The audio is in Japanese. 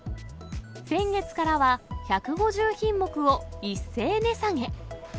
先月からは１５０品目を一斉値下げ。